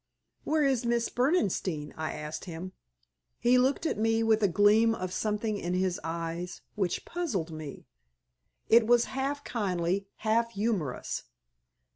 "Where is Miss Berdenstein?" I asked him. He looked at me with a gleam of something in his eyes which puzzled me. It was half kindly, half humorous.